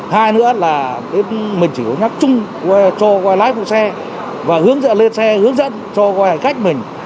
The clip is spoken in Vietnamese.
hai nữa là mình chỉ có nhắc chung cho lái phụ xe và lên xe hướng dẫn cho khách mình